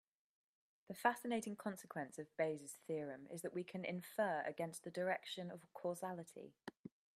The fascinating consequence of Bayes' theorem is that we can infer against the direction of causality.